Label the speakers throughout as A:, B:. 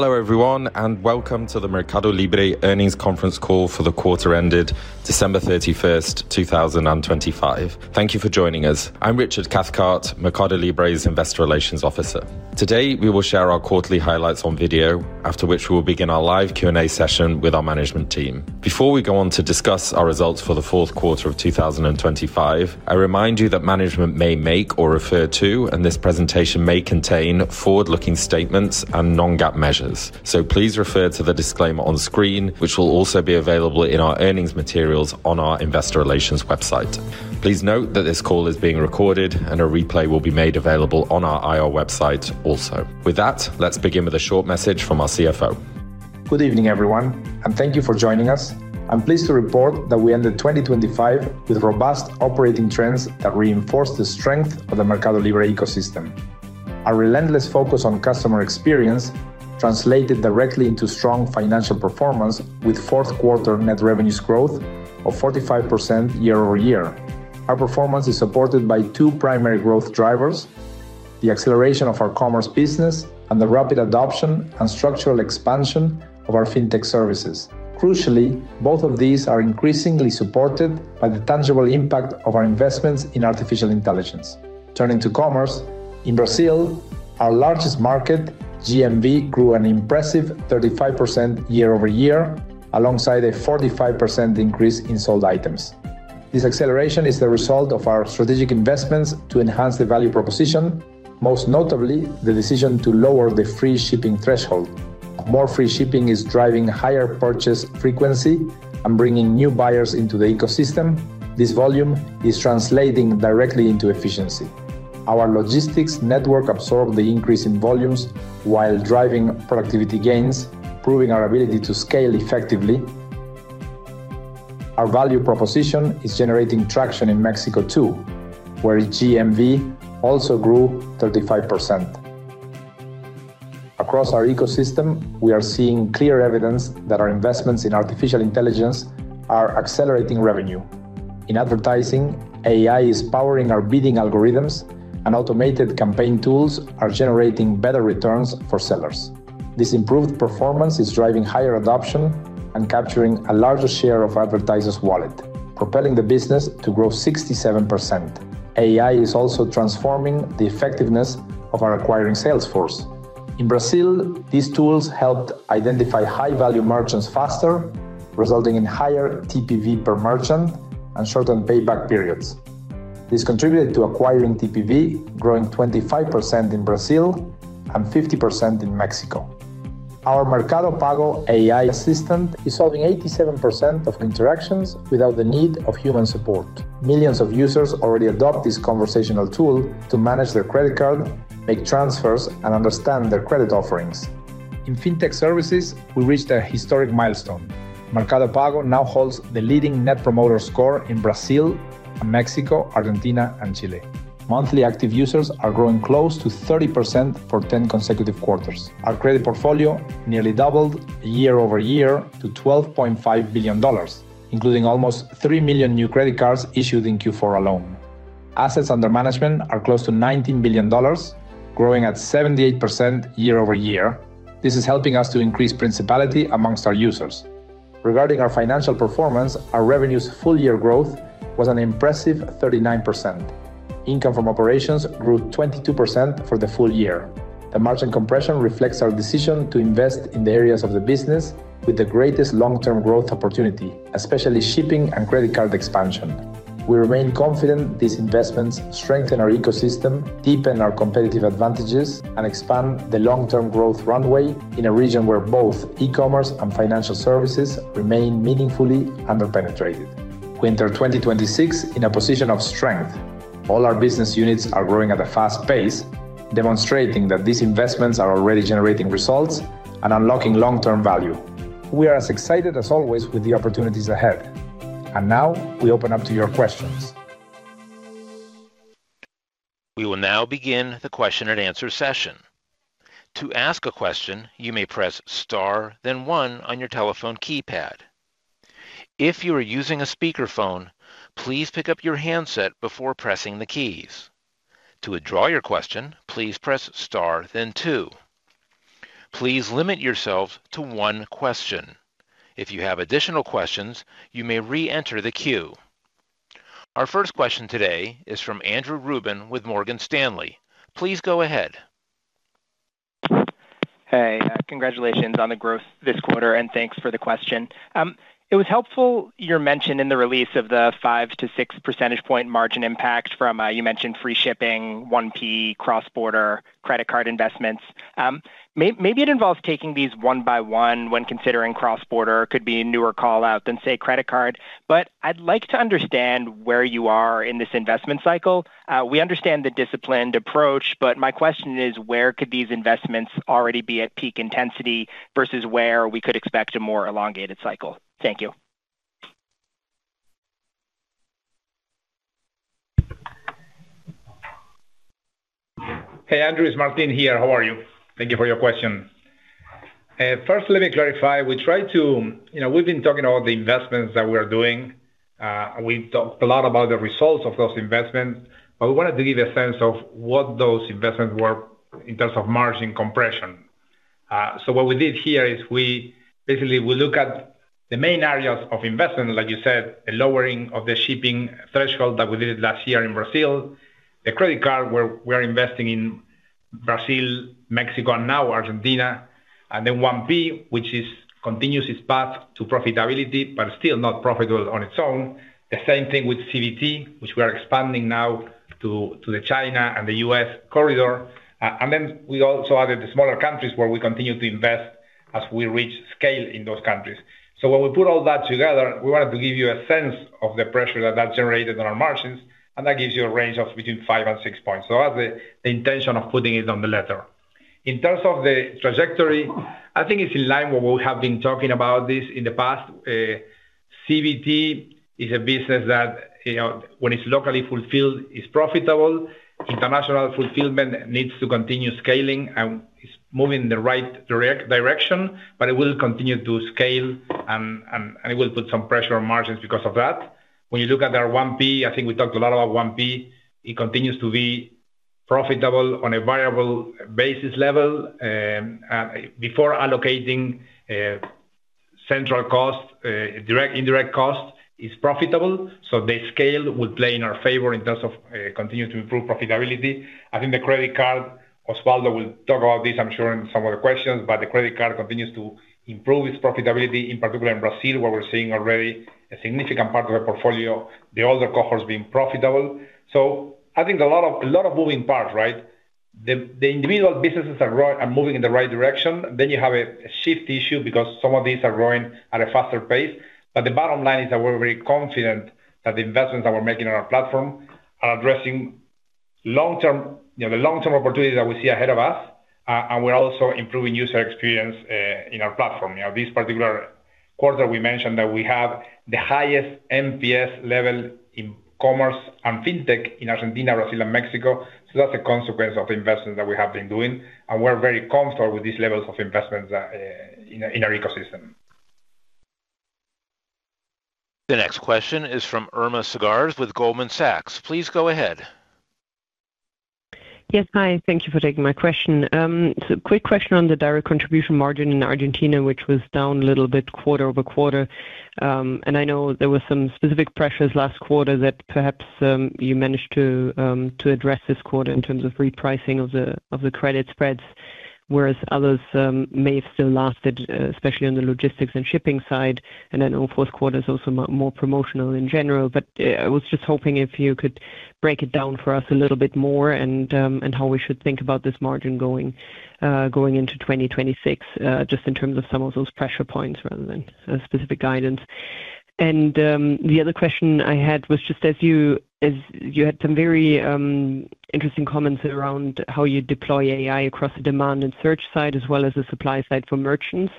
A: Hello everyone, welcome to the MercadoLibre Earnings Conference Call for the quarter ended December 31, 2025. Thank you for joining us. I'm Richard Cathcart, MercadoLibre's Investor Relations Officer. Today, we will share our quarterly highlights on video, after which we will begin our live Q&A session with our management team. Before we go on to discuss our results for the fourth quarter of 2025, I remind you that management may make or refer to, and this presentation may contain, forward-looking statements and non-GAAP measures. Please refer to the disclaimer on screen, which will also be available in our earnings materials on our investor relations website. Please note that this call is being recorded and a replay will be made available on our IR website also. With that, let's begin with a short message from our CFO.
B: Good evening, everyone, and thank you for joining us. I'm pleased to report that we ended 2025 with robust operating trends that reinforce the strength of the MercadoLibre ecosystem. Our relentless focus on customer experience translated directly into strong financial performance, with fourth quarter net revenues growth of 45% year-over-year. Our performance is supported by two primary growth drivers: the acceleration of our commerce business and the rapid adoption and structural expansion of our fintech services. Crucially, both of these are increasingly supported by the tangible impact of our investments in artificial intelligence. Turning to commerce, in Brazil, our largest market, GMV grew an impressive 35% year-over-year, alongside a 45% increase in sold items. This acceleration is the result of our strategic investments to enhance the value proposition, most notably the decision to lower the free shipping threshold. More free shipping is driving higher purchase frequency and bringing new buyers into the ecosystem. This volume is translating directly into efficiency. Our logistics network absorbed the increase in volumes while driving productivity gains, proving our ability to scale effectively. Our value proposition is generating traction in Mexico, too, where GMV also grew 35%. Across our ecosystem, we are seeing clear evidence that our investments in artificial intelligence are accelerating revenue. In advertising, AI is powering our bidding algorithms, and automated campaign tools are generating better returns for sellers. This improved performance is driving higher adoption and capturing a larger share of advertisers' wallet, propelling the business to grow 67%. AI is also transforming the effectiveness of our acquiring sales force. In Brazil, these tools helped identify high-value merchants faster, resulting in higher TPV per merchant and shortened payback periods. This contributed to acquiring TPV, growing 25% in Brazil and 50% in Mexico. Our Mercado Pago AI assistant is solving 87% of interactions without the need of human support. Millions of users already adopt this conversational tool to manage their credit card, make transfers, and understand their credit offerings. In fintech services, we reached a historic milestone. Mercado Pago now holds the leading net promoter score in Brazil and Mexico, Argentina and Chile. Monthly active users are growing close to 30% for 10 consecutive quarters. Our credit portfolio nearly doubled year-over-year to $12.5 billion, including almost 3 million new credit cards issued in Q4 alone. Assets Under Management are close to $19 billion, growing at 78% year-over-year. This is helping us to increase principalship amongst our users. Regarding our financial performance, our revenues full-year growth was an impressive 39%. Income from operations grew 22% for the full-year. The margin compression reflects our decision to invest in the areas of the business with the greatest long-term growth opportunity, especially shipping and credit card expansion. We remain confident these investments strengthen our ecosystem, deepen our competitive advantages, and expand the long-term growth runway in a region where both e-commerce and financial services remain meaningfully underpenetrated. We enter 2026 in a position of strength. All our business units are growing at a fast pace, demonstrating that these investments are already generating results and unlocking long-term value. We are as excited as always with the opportunities ahead. Now, we open up to your questions.
C: We will now begin the question and answer session. To ask a question, you may press star, then one on your telephone keypad. If you are using a speakerphone, please pick up your handset before pressing the keys. To withdraw your question, please press star then two. Please limit yourself to one question. If you have additional questions, you may re-enter the queue. Our first question today is from Andrew Ruben with Morgan Stanley. Please go ahead.
D: Hey, congratulations on the growth this quarter, thanks for the question. It was helpful, your mention in the release of the 5 to 6 percentage point margin impact from, you mentioned free shipping, 1P cross-border credit card investments. Maybe it involves taking these one by one when considering cross-border, could be a newer call-out than, say, credit card. I'd like to understand where you are in this investment cycle. We understand the disciplined approach, my question is: Where could these investments already be at peak intensity versus where we could expect a more elongated cycle? Thank you.
B: Hey, Andrew, it's Martin here. How are you? Thank you for your question. First, let me clarify. You know, we've been talking about the investments that we are doing. We've talked a lot about the results of those investments, but we wanted to give a sense of what those investments were in terms of margin compression. What we did here is we basically, we look at the main areas of investment, like you said, the lowering of the shipping threshold that we did last year in Brazil. The credit card, we're investing in Brazil, Mexico, and now Argentina. 1P, which is continues its path to profitability, but still not profitable on its own. The same thing with CBT, which we are expanding now to China and U.S. corridor. We also added the smaller countries where we continue to invest as we reach scale in those countries. When we put all that together, we wanted to give you a sense of the pressure that that generated on our margins, and that gives you a range of between 5 and 6 points. That's the intention of putting it on the letter. In terms of the trajectory, I think it's in line with what we have been talking about this in the past. CBT is a business that, you know, when it's locally fulfilled, is profitable. International fulfillment needs to continue scaling and is moving in the right direction, but it will continue to scale and it will put some pressure on margins because of that. When you look at our 1P, I think we talked a lot about 1P, it continues to be profitable on a variable basis level, and before allocating central cost, direct, indirect cost, is profitable. The scale will play in our favor in terms of continuing to improve profitability. I think the credit card, Osvaldo will talk about this, I'm sure, in some of the questions, but the credit card continues to improve its profitability, in particular in Brazil, where we're seeing already a significant part of the portfolio, the older cohorts being profitable. I think a lot of moving parts, right? The individual businesses are moving in the right direction. You have a shift issue because some of these are growing at a faster pace. The bottom line is that we're very confident that the investments that we're making on our platform are addressing long-term, you know, the long-term opportunities that we see ahead of us, and we're also improving user experience in our platform. You know, this particular quarter, we mentioned that we have the highest NPS level in commerce and fintech in Argentina, Brazil, and Mexico. That's a consequence of the investments that we have been doing, and we're very comfortable with these levels of investments in our, in our ecosystem.
C: The next question is from Irma Sgarz with Goldman Sachs. Please go ahead.
E: Yes. Hi, thank you for taking my question. Quick question on the direct contribution margin in Argentina, which was down a little bit quarter-over-quarter. I know there was some specific pressures last quarter that perhaps you managed to address this quarter in terms of repricing of the credit spreads, whereas others may have still lasted, especially on the logistics and shipping side, and then all fourth quarter is also more promotional in general. I was just hoping if you could break it down for us a little bit more and how we should think about this margin going into 2026, just in terms of some of those pressure points rather than a specific guidance. The other question I had was just as you had some very interesting comments around how you deploy AI across the demand and search side, as well as the supply side for merchants.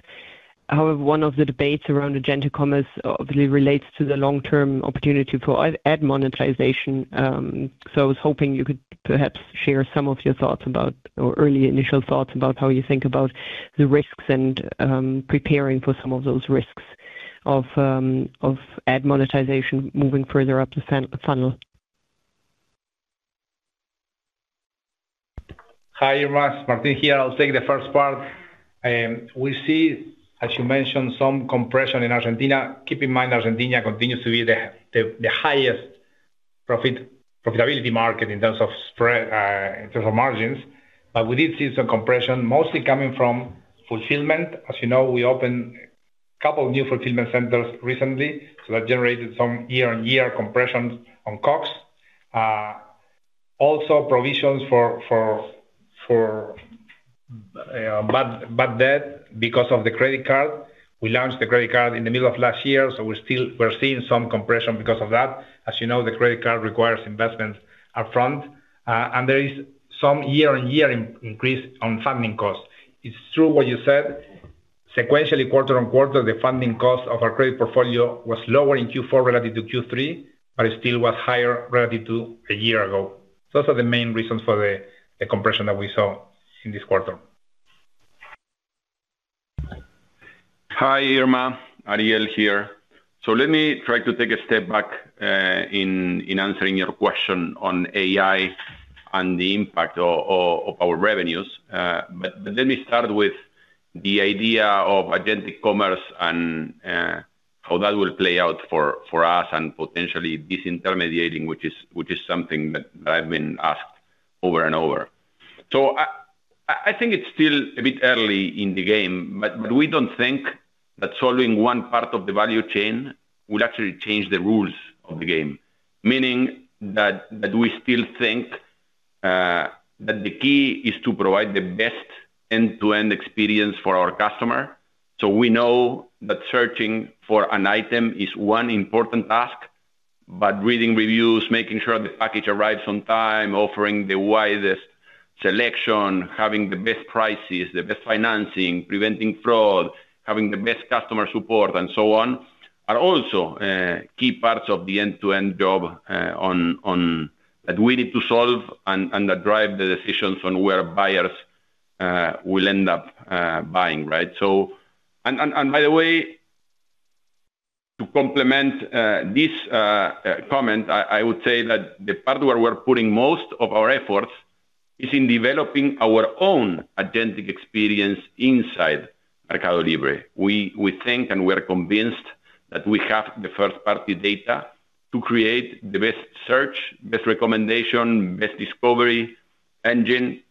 E: However, one of the debates around agentic commerce obviously relates to the long-term opportunity for ad monetization. I was hoping you could perhaps share some of your thoughts about or early initial thoughts about how you think about the risks and preparing for some of those risks of ad monetization moving further up the funnel.
B: Hi, Irma. Martin here. I'll take the first part. We see, as you mentioned, some compression in Argentina. Keep in mind, Argentina continues to be the highest profitability market in terms of spread, in terms of margins. We did see some compression, mostly coming from fulfillment. As you know, we opened a couple of new fulfillment centers recently, so that generated some year-on-year compression on costs. Also provisions for bad debt because of the credit card. We launched the credit card in the middle of last year, so we're seeing some compression because of that. As you know, the credit card requires investments upfront, and there is some year-on-year increase on funding costs. It's true what you said. Sequentially, quarter-over-quarter, the funding cost of our credit portfolio was lower in Q4 relative to Q3, but it still was higher relative to a year ago. Those are the main reasons for the compression that we saw in this quarter.
F: Hi, Irma. Ariel here. Let me try to take a step back in answering your question on AI and the impact of our revenues. Let me start with the idea of agentic commerce and how that will play out for us and potentially disintermediating, which is something that I've been asked over and over. I think it's still a bit early in the game, but we don't think that solving one part of the value chain will actually change the rules of the game. Meaning that we still think that the key is to provide the best end-to-end experience for our customer. We know that searching for an item is one important task, but reading reviews, making sure the package arrives on time, offering the widest selection, having the best prices, the best financing, preventing fraud, having the best customer support, and so on, are also key parts of the end-to-end job. That we need to solve and that drive the decisions on where buyers will end up buying, right? And by the way, to complement this comment, I would say that the part where we're putting most of our efforts is in developing our own agentic experience inside MercadoLibre. We think, and we are convinced that we have the first-party data to create the best search, best recommendation, best discovery engine,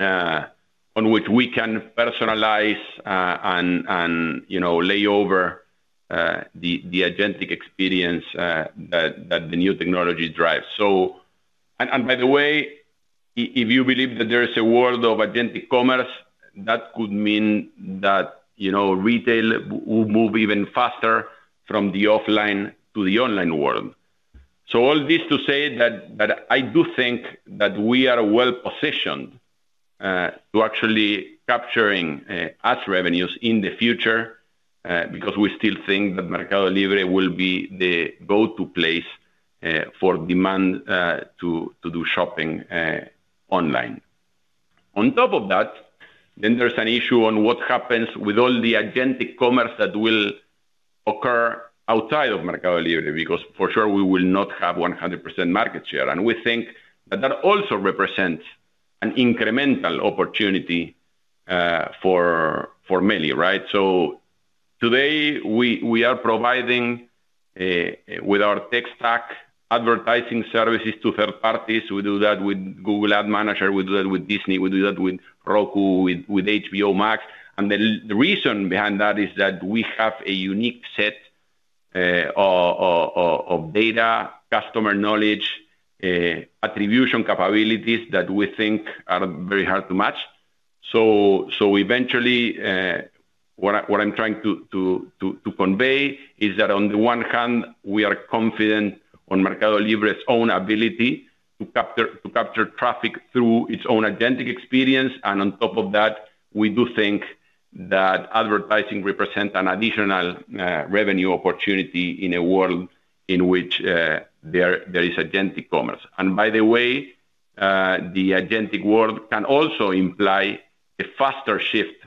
F: on which we can personalize, and, you know, lay over the agentic experience that the new technology drives. And by the way, if you believe that there is a world of agentic commerce, that could mean that, you know, retail will move even faster from the offline to the online world. All this to say that I do think that we are well-positioned to actually capturing ads revenues in the future, because we still think that MercadoLibre will be the go-to place for demand to do shopping online. On top of that, there's an issue on what happens with all the agentic commerce that will occur outside of MercadoLibre, because for sure, we will not have 100% market share. We think that that also represents an incremental opportunity for Meli, right? Today, we are providing with our tech stack, advertising services to third parties. We do that with Google Ad Manager, we do that with Disney, we do that with Roku, with HBO Max. The reason behind that is that we have a unique set of data, customer knowledge, attribution capabilities that we think are very hard to match. Eventually, what I'm trying to convey is that on the one hand, we are confident on MercadoLibre's own ability to capture traffic through its own agentic experience, and on top of that, we do think that advertising represent an additional revenue opportunity in a world in which there is agentic commerce. By the way, the agentic world can also imply a faster shift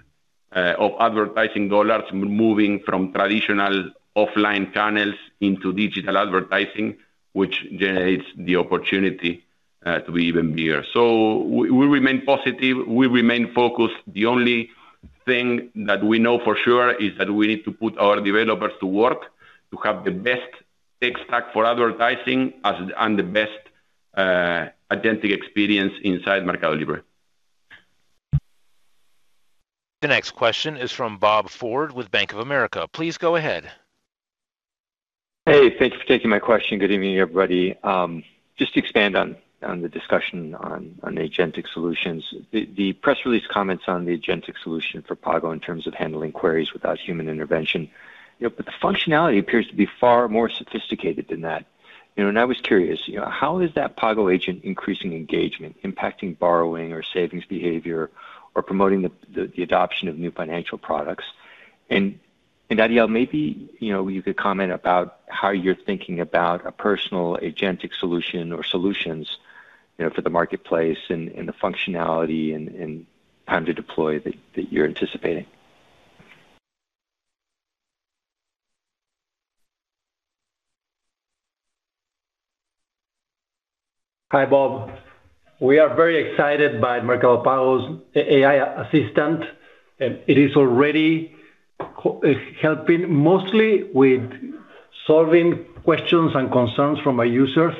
F: of advertising dollars moving from traditional offline channels into digital advertising, which generates the opportunity to be even bigger. We remain positive, we remain focused. The only thing that we know for sure is that we need to put our developers to work to have the best tech stack for advertising and the best agentic experience inside MercadoLibre.
C: The next question is from Robert Ford with Bank of America. Please go ahead.
G: Hey, thank you for taking my question. Good evening, everybody. Just to expand on the discussion on agentic solutions. The, the press release comments on the agentic solution for Mercado Pago in terms of handling queries without human intervention, you know, but the functionality appears to be far more sophisticated than that. You know, I was curious, you know, how is that Mercado Pago agent increasing engagement, impacting borrowing or savings behavior, or promoting the, the adoption of new financial products? Ariel, maybe, you know, you could comment about how you're thinking about a personal agentic solution or solutions, you know, for the marketplace and the functionality and time to deploy that you're anticipating.
H: Hi, Bob. We are very excited by Mercado Pago's A-AI assistant, and it is already helping mostly with solving questions and concerns from our users.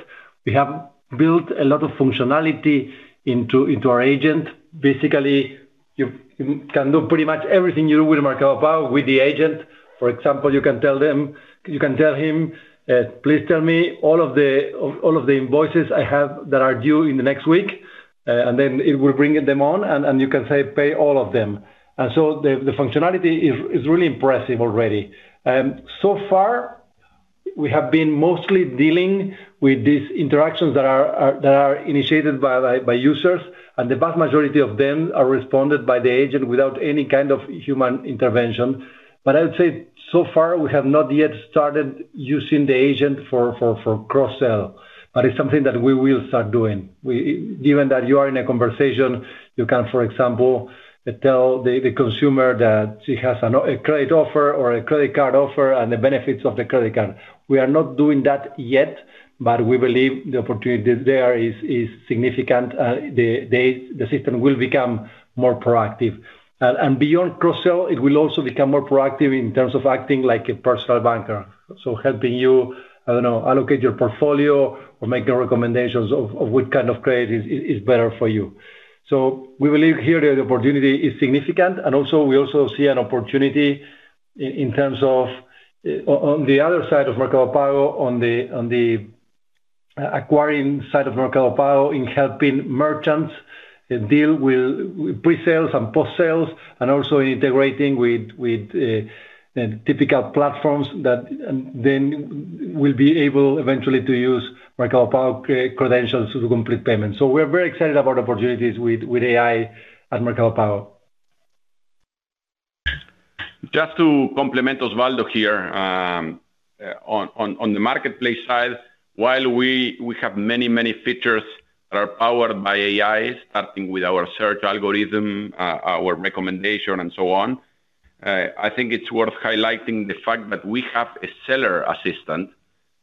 H: We have built a lot of functionality into our agent. Basically, you can do pretty much everything you do with Mercado Pago with the agent. For example, You can tell him, "Please tell me all of the invoices I have that are due in the next week," and then it will bring them on, and you can say, "Pay all of them." The functionality is really impressive already. So far, we have been mostly dealing with these interactions that are initiated by users, and the vast majority of them are responded by the agent without any kind of human intervention. I would say, so far, we have not yet started using the agent for cross-sell, but it's something that we will start doing. Given that you are in a conversation, you can, for example, tell the consumer that she has a credit offer or a credit card offer and the benefits of the credit card. We are not doing that yet, we believe the opportunity there is significant, the system will become more proactive. Beyond cross-sell, it will also become more proactive in terms of acting like a personal banker. Helping you, I don't know, allocate your portfolio or make recommendations of what kind of credit is better for you. We believe here the opportunity is significant, and also, we also see an opportunity in terms of on the other side of Mercado Pago, on the acquiring side of Mercado Pago, in helping merchants deal with pre-sales and post-sales, and also in integrating with typical platforms that then will be able eventually to use Mercado Pago credentials to complete payments. We're very excited about opportunities with AI at Mercado Pago.
F: Just to complement Osvaldo here, on the marketplace side, while we have many features that are powered by AI, starting with our search algorithm, our recommendation, and so on, I think it's worth highlighting the fact that we have a seller assistant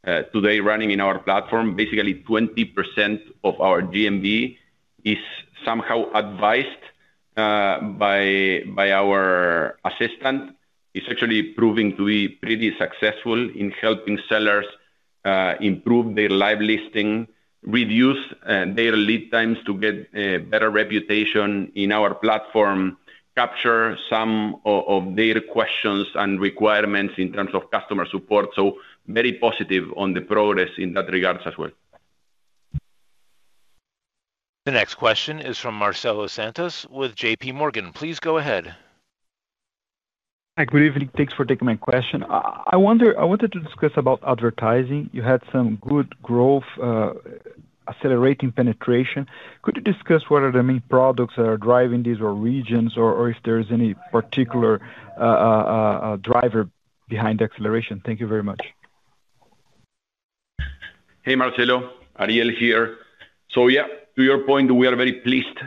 F: today running in our platform.20% of our GMV is somehow advised by our assistant. It's actually proving to be pretty successful in helping sellers improve their live listing, reduce their lead times to get better reputation in our platform, capture some of their questions and requirements in terms of customer support. Very positive on the progress in that regards as well.
C: The next question is from Marcelo Santos with JP Morgan. Please go ahead.
I: Hi, good evening. Thanks for taking my question. I wanted to discuss about advertising. You had some good growth, accelerating penetration. Could you discuss what are the main products that are driving these, or regions, or if there's any particular driver behind the acceleration? Thank you very much.
F: Hey, Marcelo. Ariel here. Yeah, to your point, we are very pleased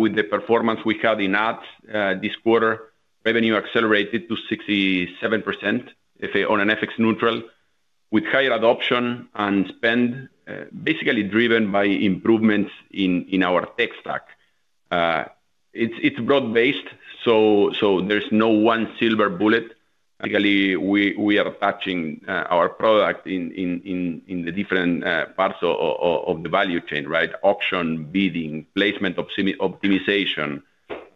F: with the performance we had in ads this quarter. Revenue accelerated to 67%, if on an FX-neutral, with higher adoption and spend, basically driven by improvements in our tech stack. It's broad-based, so there's no one silver bullet. Basically, we are attaching our product in the different parts of the value chain, right? Auction, bidding, placement optimization,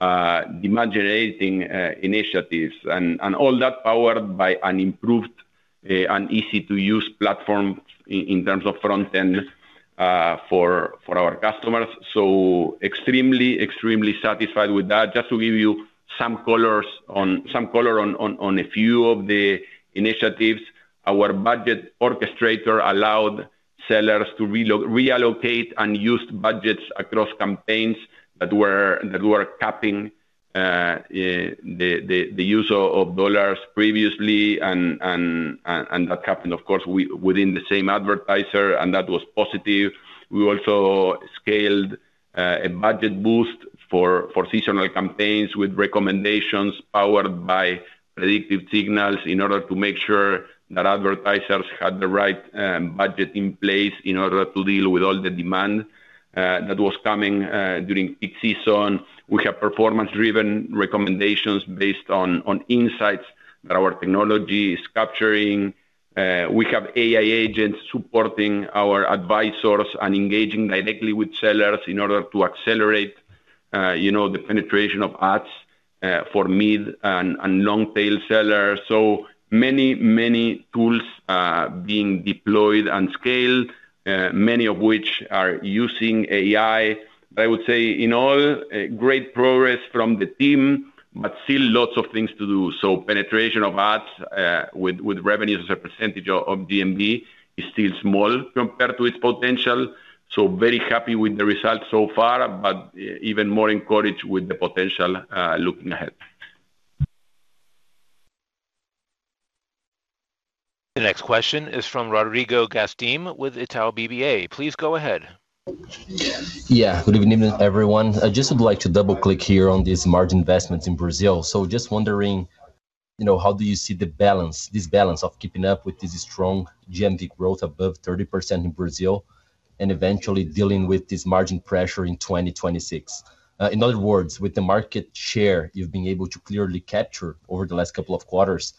F: demand generating initiatives, and all that powered by an improved and easy-to-use platform in terms of front end for our customers. Extremely satisfied with that. Just to give you some color on a few of the initiatives, our Budget Orchestrator allowed sellers to reallocate unused budgets across campaigns that were capping the use of dollars previously, and that happened, of course, within the same advertiser, and that was positive. We also scaled a budget boost for seasonal campaigns with recommendations powered by predictive signals in order to make sure that advertisers had the right budget in place in order to deal with all the demand that was coming during peak season. We have performance-driven recommendations based on insights that our technology is capturing. We have AI agents supporting our advisors and engaging directly with sellers in order to accelerate, you know, the penetration of ads for mid and long-tail sellers. Many tools being deployed and scaled, many of which are using AI. I would say in all, great progress from the team, but still lots of things to do. Penetration of ads with revenue as a % of GMV is still small compared to its potential. Very happy with the results so far, but even more encouraged with the potential looking ahead.
C: The next question is from Rodrigo Gastim with Itaú BBA. Please go ahead.
J: Yeah, good evening, everyone. I just would like to double-click here on these margin investments in Brazil. Just wondering, you know, how do you see this balance of keeping up with this strong GMV growth above 30% in Brazil, and eventually dealing with this margin pressure in 2026? In other words, with the market share you've been able to clearly capture over the last couple of quarters,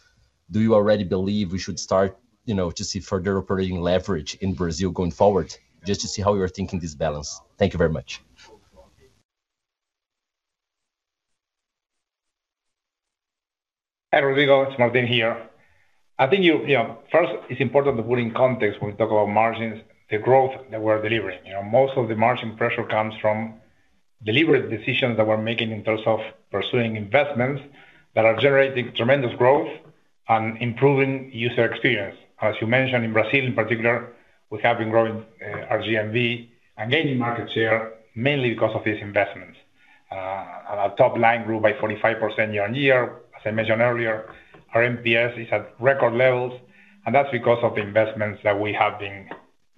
J: do you already believe we should start, you know, to see further operating leverage in Brazil going forward? Just to see how you're thinking this balance. Thank you very much.
B: Hi, Rodrigo, it's Martin here. You know, first, it's important to put in context when we talk about margins, the growth that we're delivering. You know, most of the margin pressure comes from deliberate decisions that we're making in terms of pursuing investments that are generating tremendous growth and improving user experience. As you mentioned, in Brazil in particular, we have been growing our GMV and gaining market share, mainly because of these investments. Our top line grew by 45% year-on-year. As I mentioned earlier, our NPS is at record levels, and that's because of the investments that we have been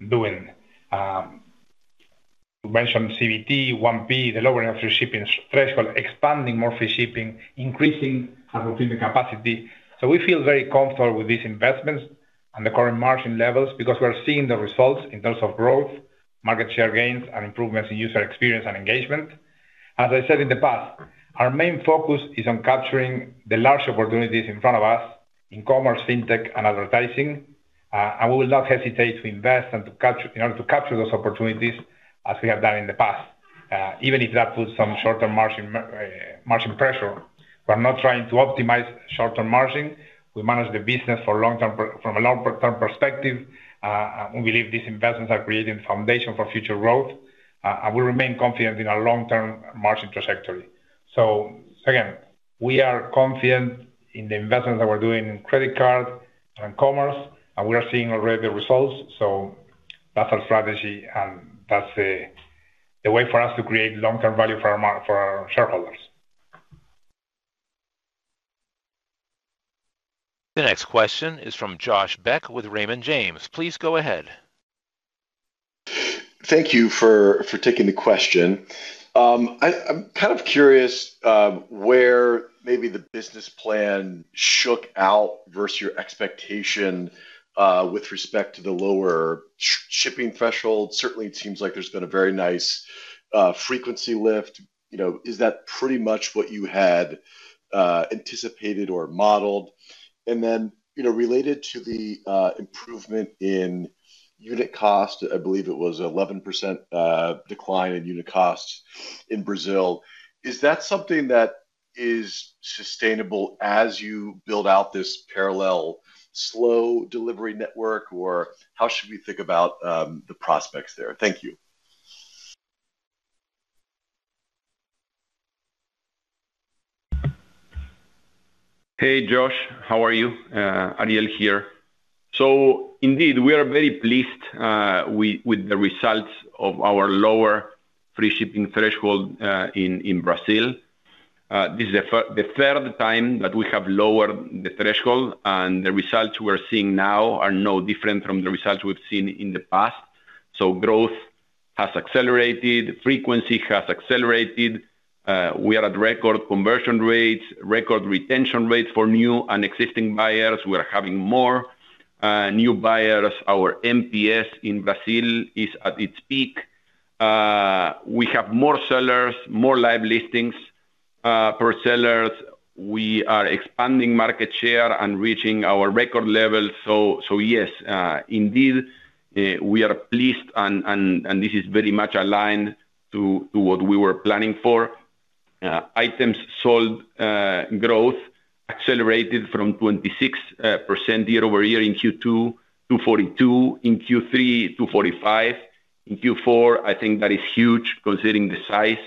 B: doing. You mentioned CBT, 1P, the lowering of free shipping threshold, expanding more free shipping, increasing fulfillment capacity. We feel very comfortable with these investments and the current margin levels because we are seeing the results in terms of growth, market share gains, and improvements in user experience and engagement. As I said in the past, our main focus is on capturing the large opportunities in front of us in commerce, fintech, and advertising. We will not hesitate to invest in order to capture those opportunities as we have done in the past, even if that puts some short-term margin pressure. We're not trying to optimize short-term margin. We manage the business from a long-term perspective. We believe these investments are creating foundation for future growth. We remain confident in our long-term margin trajectory. Again, we are confident in the investments that we're doing in credit card and commerce, and we are seeing already the results. That's our strategy, and that's the way for us to create long-term value for our shareholders.
C: The next question is from Josh Beck with Raymond James. Please go ahead.
K: Thank you for taking the question. I'm kind of curious where maybe the business plan shook out versus your expectation with respect to the lower shipping threshold. Certainly, it seems like there's been a very nice frequency lift. You know, is that pretty much what you had anticipated or modeled? You know, related to the improvement in unit cost, I believe it was 11% decline in unit costs in Brazil, is that something that is sustainable as you build out this parallel slow delivery network? Or how should we think about the prospects there? Thank you.
F: Hey, Josh. How are you? Ariel here. Indeed, we are very pleased with the results of our lower free shipping threshold in Brazil. This is the third time that we have lowered the threshold, and the results we're seeing now are no different from the results we've seen in the past. Growth has accelerated, frequency has accelerated, we are at record conversion rates, record retention rates for new and existing buyers. We are having more new buyers. Our NPS in Brazil is at its peak. We have more sellers, more live listings per sellers. We are expanding market share and reaching our record levels. Yes, indeed, we are pleased and this is very much aligned to what we were planning for. Items sold, growth accelerated from 26% year-over-year in Q2 to 42% in Q3 to 45% in Q4. I think that is huge, considering the size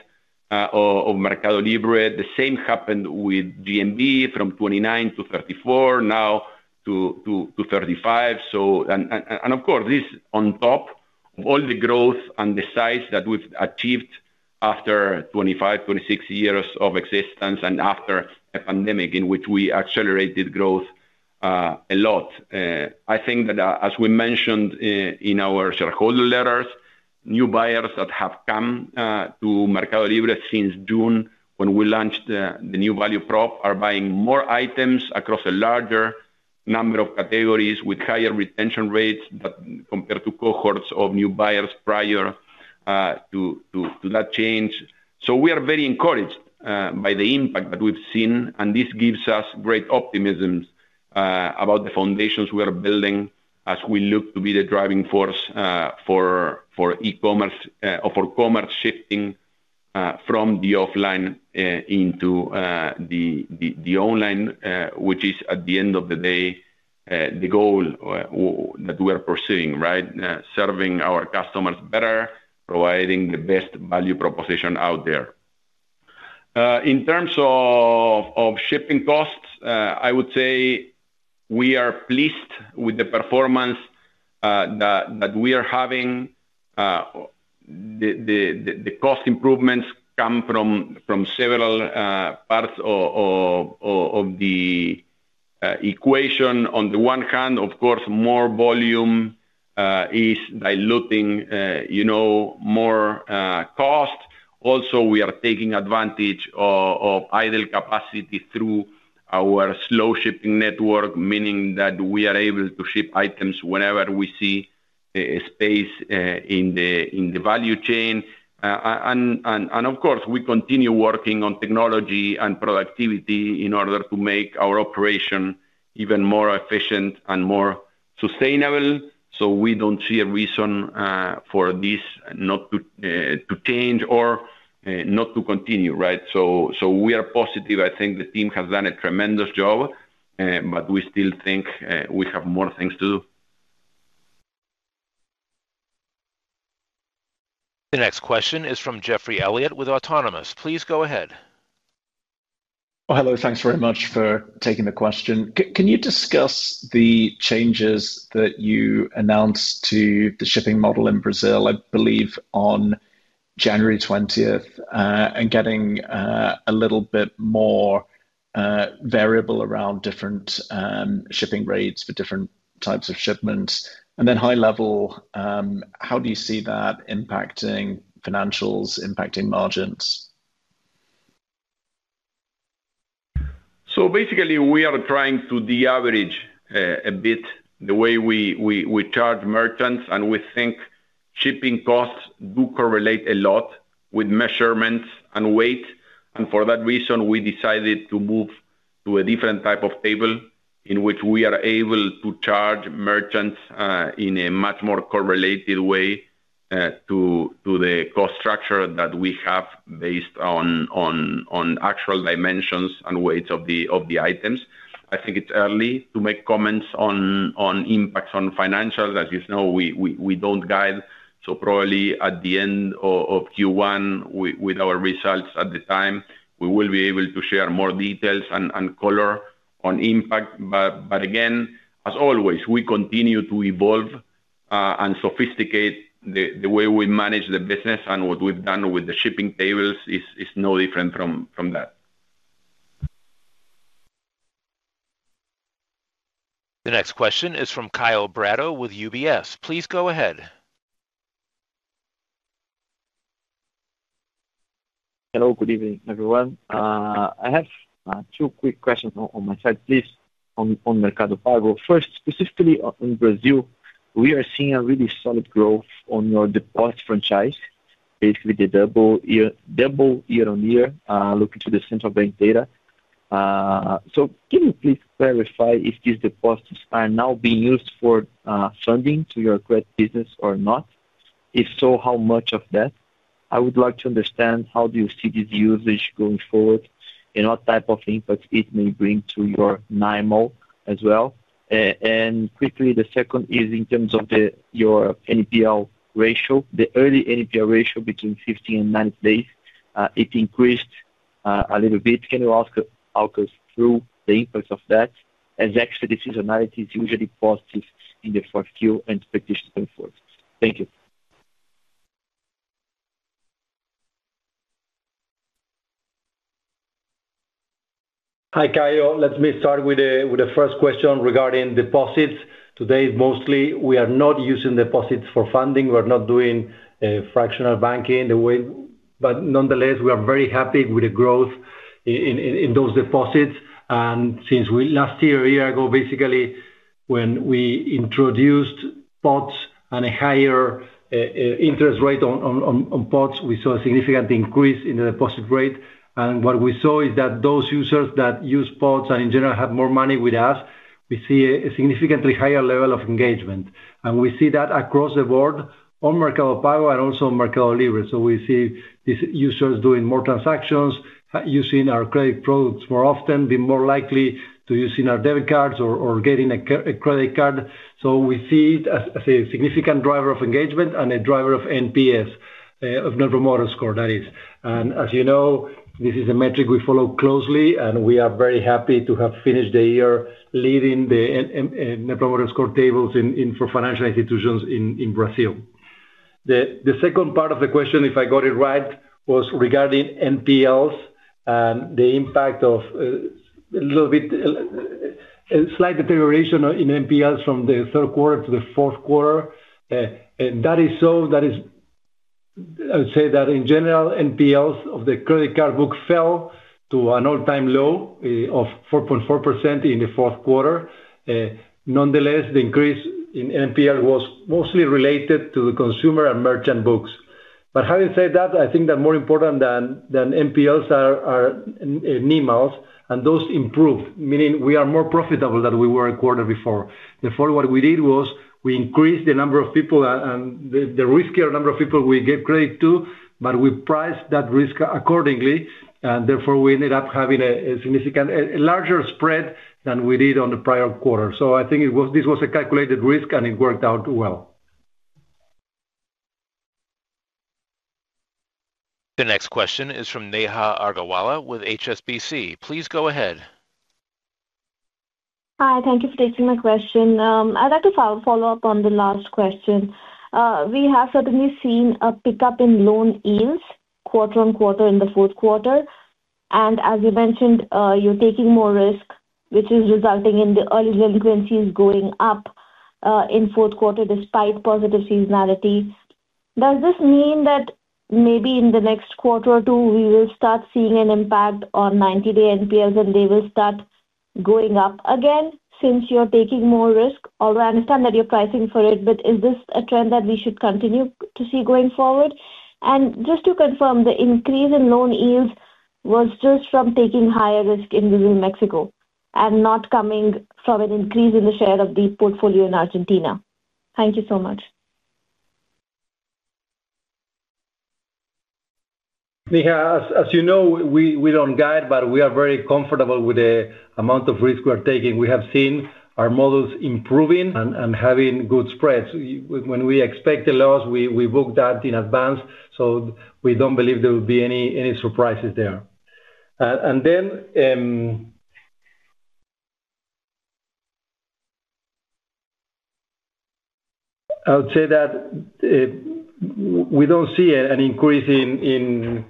F: of MercadoLibre The same happened with GMV, from 29% to 34%, now to 35%. Of course, this on top of all the growth and the size that we've achieved after 25, 26 years of existence and after a pandemic in which we accelerated growth a lot. I think that, as we mentioned in our shareholder letters, new buyers that have come to MercadoLibre since June, when we launched the new value prop, are buying more items across a larger number of categories with higher retention rates that compared to cohorts of new buyers prior to that change. We are very encouraged by the impact that we've seen, and this gives us great optimism about the foundations we are building as we look to be the driving force for e-commerce or for commerce shifting from the offline into the online, which is, at the end of the day, the goal that we are pursuing, right? Serving our customers better, providing the best value proposition out there. In terms of shipping costs, I would say we are pleased with the performance that we are having. The cost improvements come from several parts of the equation. On the one hand, of course, more volume is diluting, you know, more cost. We are taking advantage of idle capacity through our slow shipping network, meaning that we are able to ship items whenever we see a space in the value chain. Of course, we continue working on technology and productivity in order to make our operation even more efficient and more sustainable. We don't see a reason for this not to change or not to continue, right? We are positive. I think the team has done a tremendous job, but we still think we have more things to do.
C: The next question is from Geoffrey Elliott with Autonomous. Please go ahead.
L: Oh, hello, thanks very much for taking the question. Can you discuss the changes that you announced to the shipping model in Brazil, I believe, on January 20th, and getting a little bit more variable around different shipping rates for different types of shipments? Then high level, how do you see that impacting financials, impacting margins?
F: Basically, we are trying to de-average, a bit, the way we charge merchants, and we think shipping costs do correlate a lot with measurements and weight. For that reason, we decided to move to a different type of table in which we are able to charge merchants, in a much more correlated way, to the cost structure that we have based on actual dimensions and weights of the items. I think it's early to make comments on impacts on financials. As you know, we don't guide, so probably at the end of Q1, with our results at the time, we will be able to share more details and color.... on impact. Again, as always, we continue to evolve, and sophisticate the way we manage the business, and what we've done with the shipping tables is no different from that.
C: The next question is from Kaio Prato with UBS. Please go ahead.
M: Hello, good evening, everyone. I have two quick questions on my side, please, on Mercado Pago. First, specifically on Brazil, we are seeing a really solid growth on your deposit franchise, basically the double year-on-year, looking to the central bank data. Can you please verify if these deposits are now being used for funding to your credit business or not? If so, how much of that? I would like to understand how do you see this usage going forward, and what type of impact it may bring to your NIM as well. Quickly, the second is in terms of your NPL ratio. The early NPL ratio between 15 and 90 days, it increased a little bit. Can you walk us through the impact of that, as extra seasonality is usually positive in the fourth Q and expectation going forward. Thank you.
H: Hi, Kyle. Let me start with the first question regarding deposits. Today, mostly, we are not using deposits for funding. We're not doing fractional banking. Nonetheless, we are very happy with the growth in those deposits. Last year, a year ago, basically, when we introduced pots and a higher interest rate on pots, we saw a significant increase in the deposit rate. What we saw is that those users that use pots and in general have more money with us, we see a significantly higher level of engagement. We see that across the board on Mercado Pago and also MercadoLibre We see these users doing more transactions, using our credit products more often, being more likely to using our debit cards or getting a credit card. We see it as a significant driver of engagement and a driver of NPS, of Net Promoter Score, that is. As you know, this is a metric we follow closely, and we are very happy to have finished the year leading the Net Promoter Score tables for financial institutions in Brazil. The second part of the question, if I got it right, was regarding NPLs and the impact of a little bit, a slight deterioration in NPLs from the third quarter to the fourth quarter. That is so. I would say that in general, NPLs of the credit card book fell to an all-time low of 4.4% in the fourth quarter. Nonetheless, the increase in NPL was mostly related to the consumer and merchant books. Having said that, I think that more important than NPLs are NIMs, and those improved, meaning we are more profitable than we were a quarter before. What we did was, we increased the number of people and the riskier number of people we gave credit to, but we priced that risk accordingly, and therefore, we ended up having a significant, a larger spread than we did on the prior quarter. I think this was a calculated risk, and it worked out well.
C: The next question is from Neha Argawala with HSBC. Please go ahead.
N: Hi, thank you for taking my question. I'd like to follow up on the last question. We have certainly seen a pickup in loan yields quarter-on-quarter in the fourth quarter, and as you mentioned, you're taking more risk, which is resulting in the early delinquencies going up in fourth quarter, despite positive seasonality. Does this mean that maybe in the next quarter or two, we will start seeing an impact on 90-day NPLs, and they will start going up again, since you're taking more risk? Although I understand that you're pricing for it, is this a trend that we should continue to see going forward? Just to confirm, the increase in loan yields was just from taking higher risk in Brazil and Mexico, and not coming from an increase in the share of the portfolio in Argentina. Thank you so much.
B: Neha, as you know, we don't guide. We are very comfortable with the amount of risk we are taking. We have seen our models improving and having good spreads. When we expect a loss, we book that in advance. We don't believe there will be any surprises there. I would say that we don't see an increase in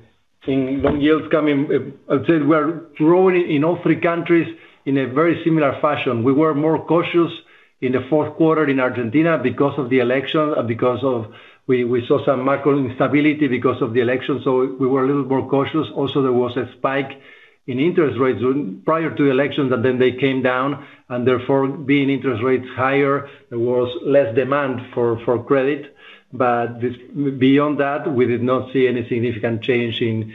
B: loan yields coming. I'd say we are growing in all three countries in a very similar fashion. We were more cautious in the fourth quarter in Argentina because of the election and because of we saw some macro instability because of the election. We were a little more cautious. There was a spike in interest rates prior to the election, and then they came down, and therefore, being interest rates higher, there was less demand for credit. Beyond that, we did not see any significant change in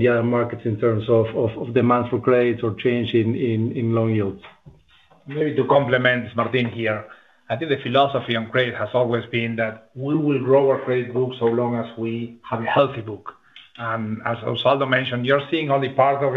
B: the other markets in terms of demand for credit or change in loan yields.
F: Maybe to complement Martin here, I think the philosophy on credit has always been that we will grow our credit book so long as we have a healthy book. As Osvaldo mentioned, you're seeing only part of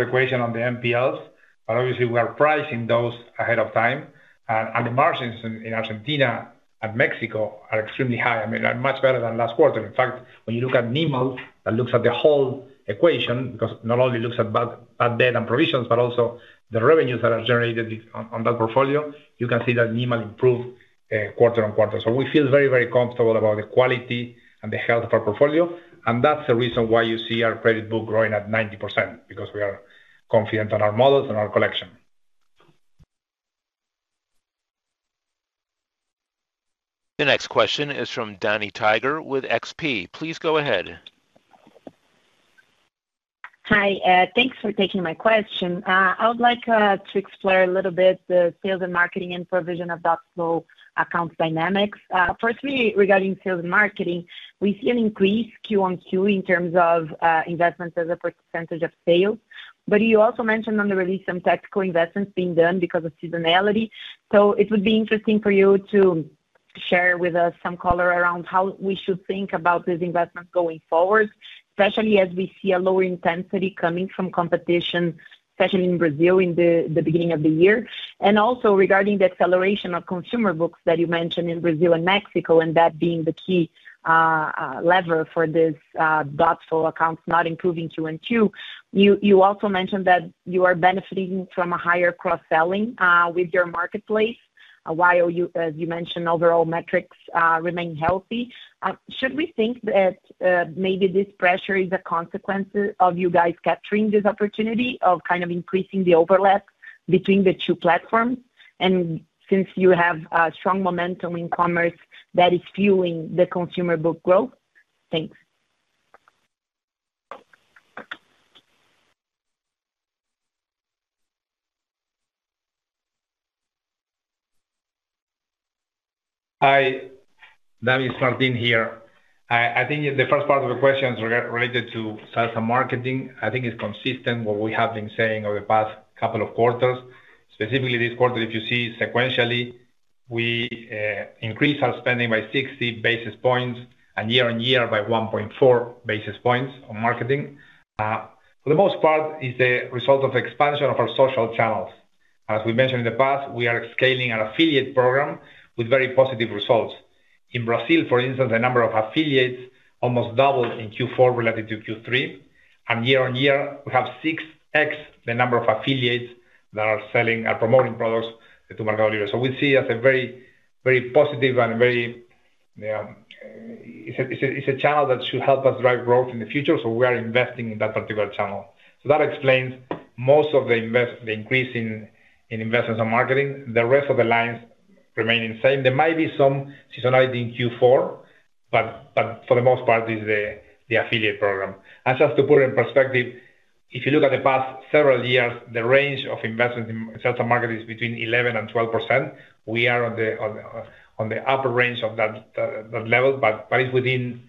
F: the equation on the NPLs, but obviously we are pricing those ahead of time. The margins in Argentina and Mexico are extremely high. I mean, they're much better than last quarter. In fact, when you look at NIM, that looks at the whole equation, because not only looks at bad debt and provisions, but also the revenues that are generated on that portfolio, you can see that NIM improved quarter-on-quarter. We feel very, very comfortable about the quality and the health of our portfolio, and that's the reason why you see our credit book growing at 90%, because we are confident on our models and our collection.
C: The next question is from Dannie Tiger with XP. Please go ahead.
O: Hi, thanks for taking my question. I would like to explore a little bit the sales and marketing and provision of doubtful accounts dynamics. Firstly, regarding sales and marketing, we see an increase Q on Q in terms of investments as a percentage of sales. You also mentioned on the release some tactical investments being done because of seasonality. It would be interesting for you to share with us some color around how we should think about these investments going forward, especially as we see a lower intensity coming from competition, especially in Brazil, in the beginning of the year. Also regarding the acceleration of consumer books that you mentioned in Brazil and Mexico, and that being the key lever for this doubtful accounts not improving Q and Q. You also mentioned that you are benefiting from a higher cross-selling with your marketplace, while you, as you mentioned, overall metrics remain healthy. Should we think that maybe this pressure is a consequence of you guys capturing this opportunity of kind of increasing the overlap between the two platforms? Since you have strong momentum in commerce that is fueling the consumer book growth? Thanks.
B: Hi, Danny, Martin here. I think the first part of the question related to sales and marketing, I think is consistent what we have been saying over the past couple of quarters. Specifically this quarter, if you see sequentially, we increased our spending by 60 basis points and year-on-year by 1.4 basis points on marketing. For the most part, is a result of expansion of our social channels. As we mentioned in the past, we are scaling our affiliate program with very positive results. In Brazil, for instance, the number of affiliates almost doubled in Q4 relative to Q3, and year-on-year we have 6x the number of affiliates that are selling and promoting products to MercadoLibre. We see as a very, very positive and very... It's a channel that should help us drive growth in the future, we are investing in that particular channel. That explains most of the increase in investments and marketing. The rest of the lines remain the same. There might be some seasonality in Q4, but for the most part, is the affiliate program. Just to put it in perspective, if you look at the past several years, the range of investments in sales and marketing is between 11% and 12%. We are on the upper range of that level, but it's within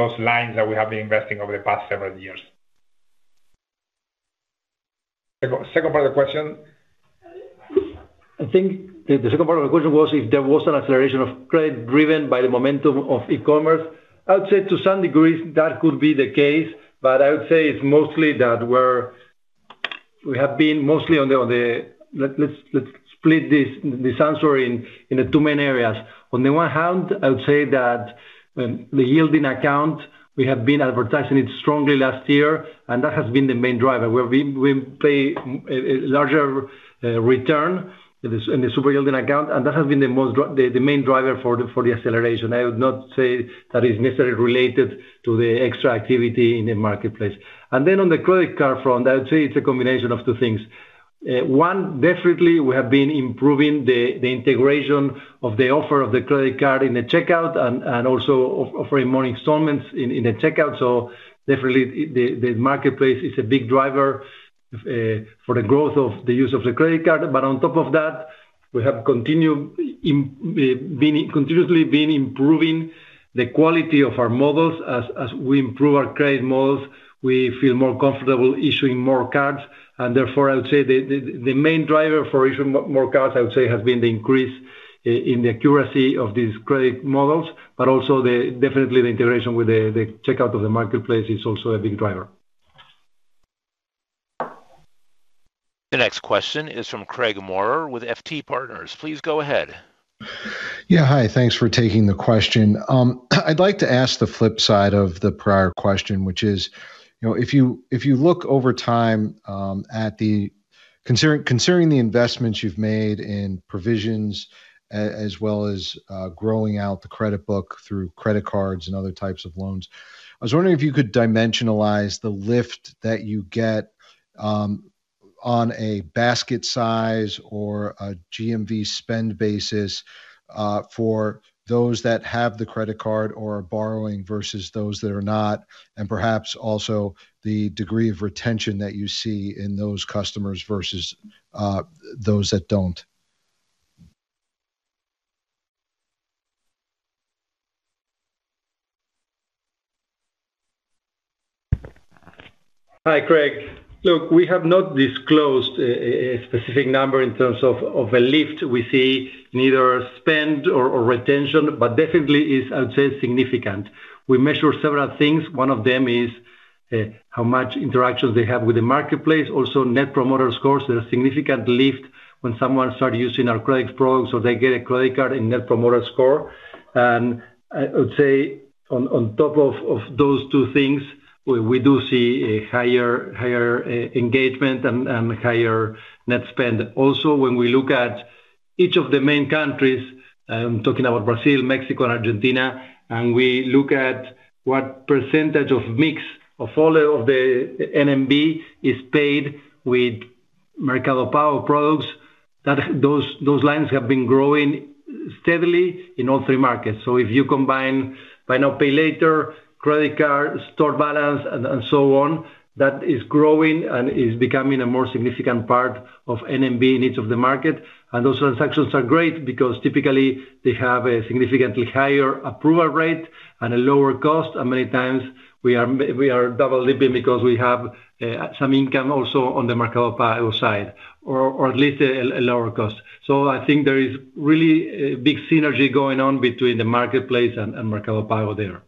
B: those lines that we have been investing over the past several years. Second part of the question? I think the second part of the question was if there was an acceleration of credit driven by the momentum of e-commerce. I would say to some degree that could be the case, but I would say it's mostly that we have been mostly on the. Let's split this answer into two main areas. On the one hand, I would say that the yielding account, we have been advertising it strongly last year, and that has been the main driver, where we pay a larger return in the super-yielding account, and that has been the main driver for the acceleration. I would not say that is necessarily related to the extra activity in the marketplace. On the credit card front, I would say it's a combination of two things. One, definitely we have been improving the integration of the offer of the credit card in the checkout and also offering more installments in the checkout. Definitely the marketplace is a big driver for the growth of the use of the credit card. On top of that, we have continuously been improving the quality of our models. As we improve our credit models, we feel more comfortable issuing more cards, and therefore, I would say the main driver for issuing more cards, I would say, has been the increase in the accuracy of these credit models, but also definitely the integration with the checkout of the marketplace is also a big driver.
C: The next question is from Craig Moore with FT Partners. Please go ahead.
P: Yeah. Hi, thanks for taking the question. I'd like to ask the flip side of the prior question, which is, you know, if you look over time, concerning the investments you've made in provisions, as well as growing out the credit book through credit cards and other types of loans, I was wondering if you could dimensionalize the lift that you get on a basket size or a GMV spend basis for those that have the credit card or are borrowing versus those that are not, and perhaps also the degree of retention that you see in those customers versus those that don't?
H: Hi, Craig. Look, we have not disclosed a specific number in terms of a lift we see, neither spend or retention, but definitely is, I would say, significant. We measure several things. One of them is how much interactions they have with the marketplace, also Net Promoter Scores. There's a significant lift when someone start using our credit products, or they get a credit card and Net Promoter Score. I would say on top of those two things, we do see a higher engagement and higher net spend. When we look at each of the main countries, I'm talking about Brazil, Mexico and Argentina, and we look at what % of mix of all of the GMV is paid with Mercado Pago products, that those lines have been growing steadily in all three markets. If you combine buy now, pay later, credit card, store balance, and so on, that is growing and is becoming a more significant part of GMV in each of the market. Those transactions are great because typically they have a significantly higher approval rate and a lower cost, and many times we are double dipping because we have some income also on the Mercado Pago side, or at least a lower cost. I think there is really a big synergy going on between the marketplace and Mercado Pago there.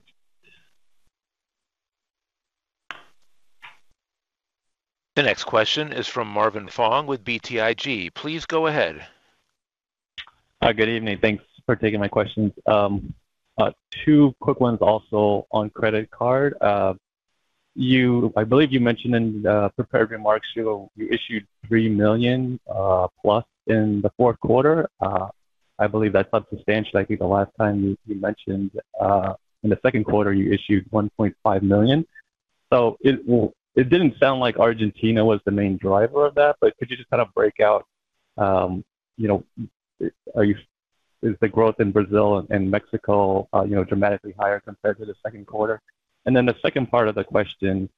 C: The next question is from Marvin Fong with BTIG. Please go ahead.
Q: Hi, good evening. Thanks for taking my questions. Two quick ones also on credit card. I believe you mentioned in prepared remarks, you issued +$3 million in the fourth quarter. I believe that's substantial. I think the last time you mentioned in the second quarter, you issued $1.5 million. Well, it didn't sound like Argentina was the main driver of that, but could you just kind of break out, you know, is the growth in Brazil and Mexico, you know, dramatically higher compared to the second quarter? The second part of the question,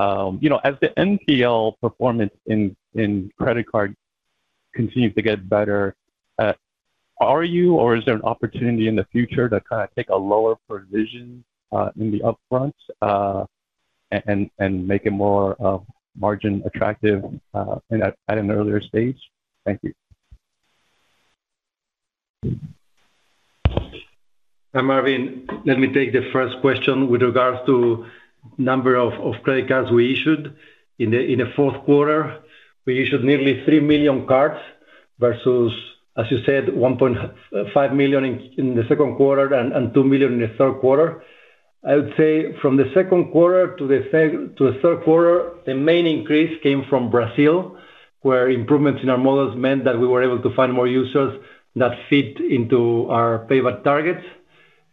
Q: you know, as the NPL performance in credit card continues to get better, are you or is there an opportunity in the future to kind of take a lower provision in the upfront and make it more margin attractive at an earlier stage? Thank you.
B: Hi, Marvin. Let me take the first question with regards to number of credit cards we issued. In the fourth quarter, we issued nearly 3 million cards, versus, as you said, 1.5 million in the second quarter and 2 million in the third quarter. I would say from the second quarter to the third quarter, the main increase came from Brazil, where improvements in our models meant that we were able to find more users that fit into our payback targets.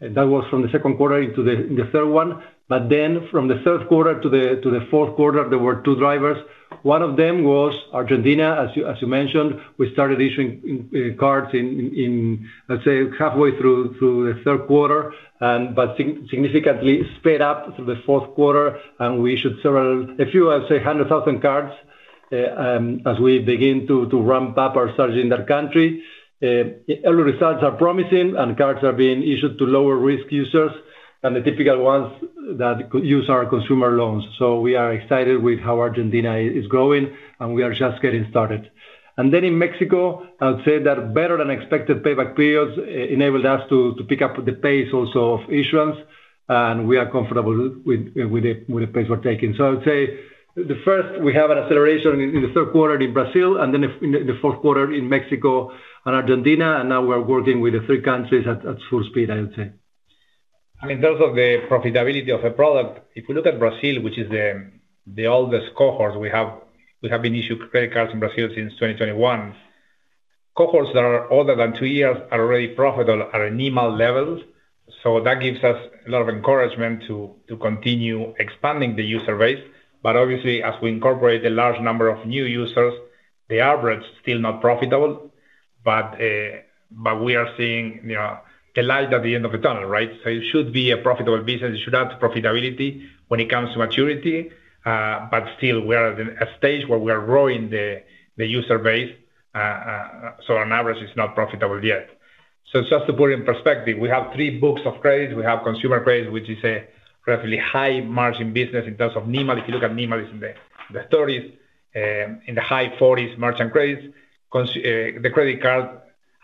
B: That was from the second quarter into the third one. From the third quarter to the fourth quarter, there were two drivers. One of them was Argentina, as you mentioned, we started issuing cards in, let's say, halfway through the third quarter, but significantly sped up through the fourth quarter, and we issued a few, I'd say, 100,000 cards as we begin to ramp up our surge in that country. Early results are promising, cards are being issued to lower-risk users and the typical ones that could use our consumer loans. We are excited with how Argentina is going, and we are just getting started. In Mexico, I would say that better-than-expected payback periods enabled us to pick up the pace also of issuance, and we are comfortable with the pace we're taking.
F: I would say, the first, we have an acceleration in the third quarter in Brazil, then in the fourth quarter in Mexico and Argentina. Now we're working with the three countries at full speed, I would say. In terms of the profitability of a product, if you look at Brazil, which is the oldest cohort, we have been issuing credit cards in Brazil since 2021. Cohorts that are older than two years are already profitable at a NIMAL level. That gives us a lot of encouragement to continue expanding the user base. Obviously, as we incorporate a large number of new users, the average is still not profitable, but we are seeing, you know, the light at the end of the tunnel, right? It should be a profitable business. It should add profitability when it comes to maturity, but still we are at a stage where we are growing the user base, so on average, it's not profitable yet. Just to put it in perspective, we have three books of credit. We have consumer credit, which is a relatively high-margin business in terms of NIM. If you look at NIM, is in the 30s, in the high 40s, merchant credits. The credit card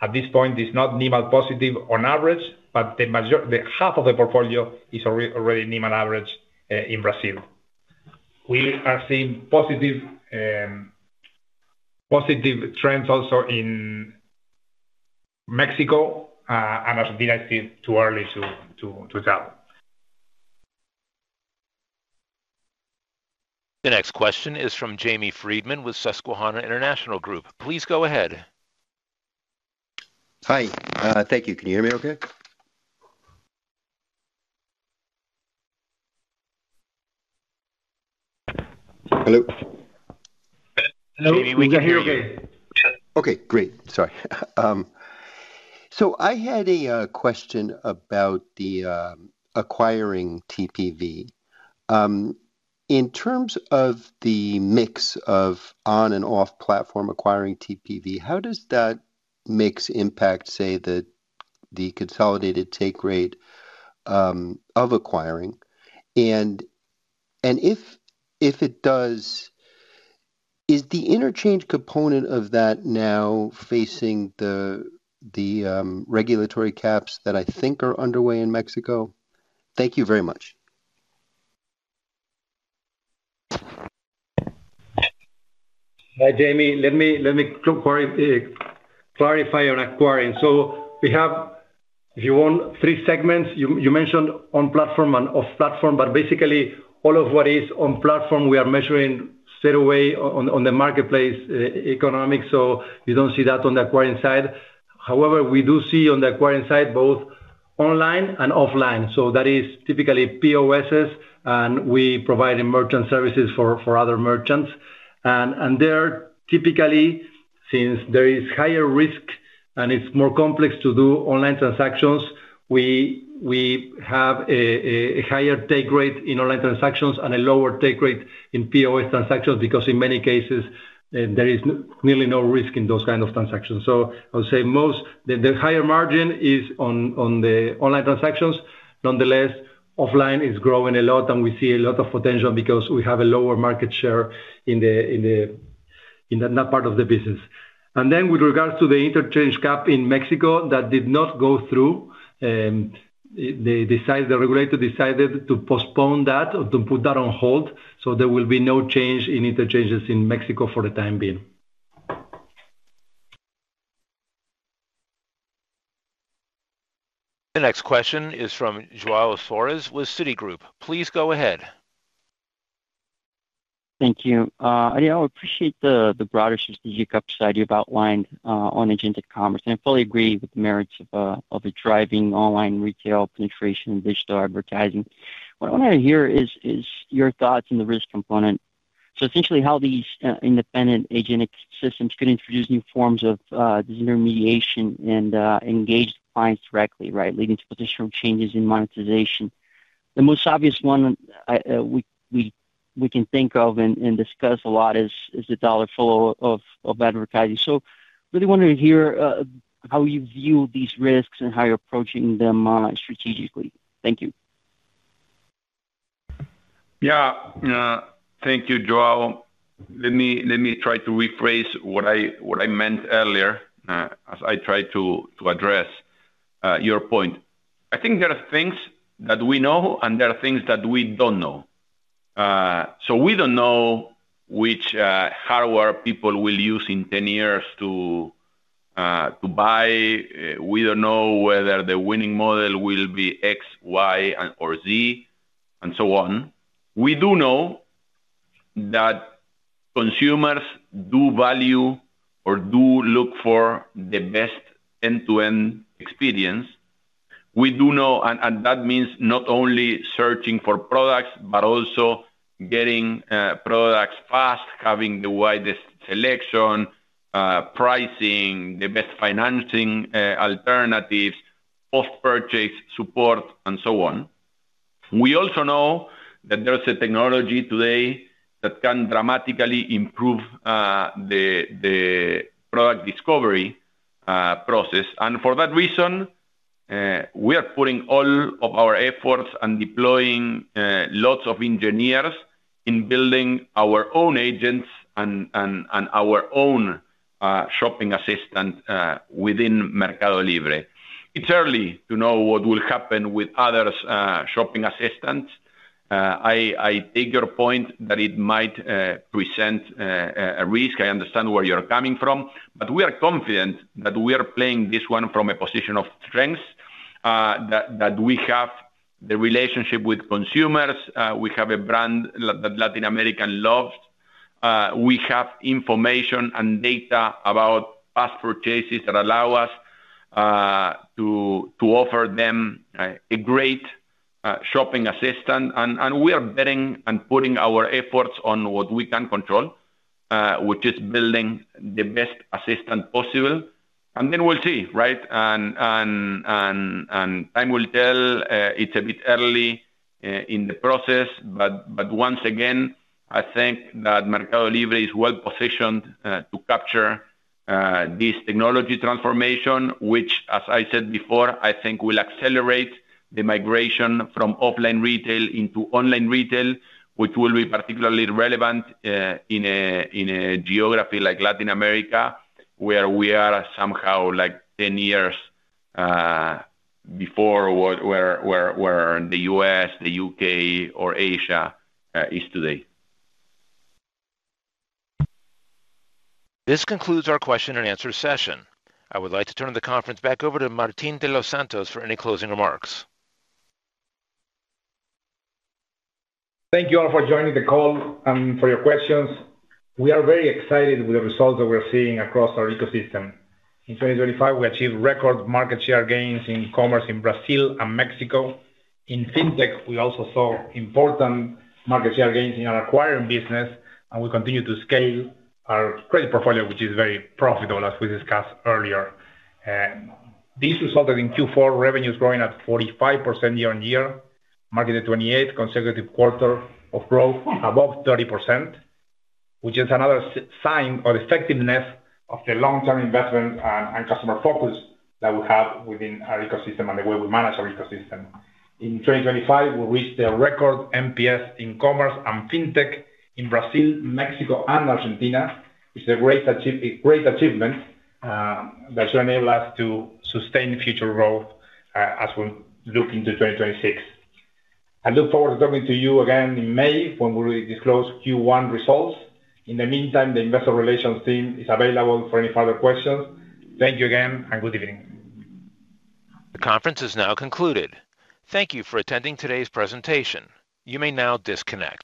F: at this point is not NIM positive on average, but the half of the portfolio is already NIM on average in Brazil. We are seeing positive trends also in Mexico, and Argentina is too early to tell.
C: The next question is from Jamie Friedman with Susquehanna International Group. Please go ahead.
R: Hi. Thank you. Can you hear me okay? Hello?
C: Maybe we can hear you.
R: Okay, great. Sorry. I had a question about the acquiring TPV. In terms of the mix of on and off-platform acquiring TPV, how does that mix impact, say, the consolidated take rate of acquiring? If it does, is the interchange component of that now facing the regulatory caps that I think are underway in Mexico? Thank you very much.
F: Hi, Jamie. Let me clarify on acquiring. We have, if you want, three segments. You mentioned on-platform and off-platform, but basically all of what is on-platform, we are measuring straight away on the marketplace economics, so you don't see that on the acquiring side. However, we do see on the acquiring side, both online and offline, so that is typically POSs, and we provide merchant services for other merchants. There, typically, since there is higher risk and it's more complex to do online transactions, we have a higher take rate in online transactions and a lower take rate in POS transactions, because in many cases, there is really no risk in those kind of transactions. I would say the higher margin is on the online transactions. Offline is growing a lot, and we see a lot of potential because we have a lower market share in the, in the, in that part of the business. With regards to the interchange cap in Mexico, that did not go through. The regulator decided to postpone that or to put that on hold. There will be no change in interchanges in Mexico for the time being.
C: The next question is from Joao Soares with Citigroup. Please go ahead.
S: Thank you. I appreciate the broader strategic upside you've outlined on agentic commerce, I fully agree with the merits of the driving online retail penetration and digital advertising. What I want to hear is your thoughts on the risk component. Essentially how these independent agentic systems could introduce new forms of disintermediation and engage the clients directly, right? Leading to potential changes in monetization. The most obvious one, I, we can think of and discuss a lot is the dollar flow of advertising. Really wanted to hear how you view these risks and how you're approaching them strategically. Thank you.
F: Yeah. Thank you, Joao. Let me try to rephrase what I meant earlier, as I try to address your point. I think there are things that we know, and there are things that we don't know. We don't know which hardware people will use in 10 years to buy. We don't know whether the winning model will be X, Y or Z, and so on. We do know that consumers do value or do look for the best end-to-end experience. We do know, and that means not only searching for products, but also getting products fast, having the widest selection, pricing, the best financing alternatives, post-purchase support, and so on. We also know that there's a technology today that can dramatically improve the product discovery process. For that reason, we are putting all of our efforts and deploying lots of engineers in building our own agents and our own shopping assistant within MercadoLibre. It's early to know what will happen with other shopping assistants. I take your point that it might present a risk. I understand where you're coming from, but we are confident that we are playing this one from a position of strength. That we have the relationship with consumers, we have a brand that Latin America loves. We have information and data about past purchases that allow us to offer them a great shopping assistant, and we are betting and putting our efforts on what we can control, which is building the best assistant possible. Then we'll see, right? Time will tell, it's a bit early in the process, but once again, I think that MercadoLibre is well positioned to capture this technology transformation, which, as I said before, I think will accelerate the migration from offline retail into online retail. Will be particularly relevant in a geography like Latin America, where we are somehow like 10 years before where the U.S., the U.K., or Asia is today.
C: This concludes our question and answer session. I would like to turn the conference back over to Martín de los Santos for any closing remarks.
B: Thank you all for joining the call and for your questions. We are very excited with the results that we're seeing across our ecosystem. In 2025, we achieved record market share gains in commerce in Brazil and Mexico. In intech, we also saw important market share gains in our acquiring business, and we continue to scale our credit portfolio, which is very profitable, as we discussed earlier. This resulted in Q4 revenues growing at 45% year-over-year, marking the 28th consecutive quarter of growth above 30%, which is another sign of the effectiveness of the long-term investment and customer focus that we have within our ecosystem and the way we manage our ecosystem. In 2025, we reached a record NPS in commerce and fintech in Brazil, Mexico, and Argentina, which is a great achievement, that should enable us to sustain future growth, as we look into 2026. I look forward to talking to you again in May, when we disclose Q1 results. In the meantime, the investor relations team is available for any further questions. Thank you again, and good evening.
C: The conference is now concluded. Thank you for attending today's presentation. You may now disconnect.